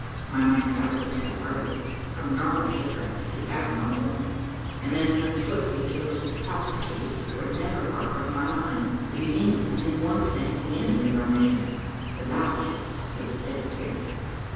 My mind travelled a step farther, from normal shipwrecks to abnormal ones, and then turned swiftly to those catastrophes which were never far from my mind, the beginning and in one sense the end of our mission, the battleships which disappeared.